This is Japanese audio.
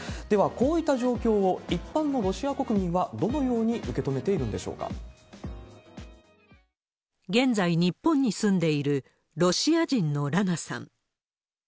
では、こういった状況を一般のロシア国民はどのように受け止めているん現在、日本に住んでいるロシア人のラナさん。